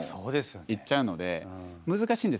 いっちゃうので難しいんですよね